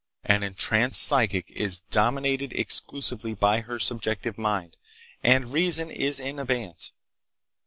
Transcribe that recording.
"An entranced psychic is dominated exclusively by her subjective mind, and reason is in abeyance.